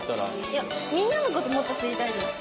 いやみんなの事もっと知りたいです。